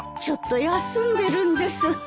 ちょっと休んでるんです。